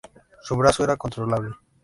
Su brazo era controlable.